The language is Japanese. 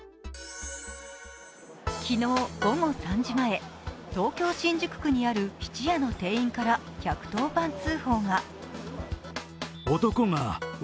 昨日午後３時前、東京・新宿区にある質屋の店員から１１０番通報が。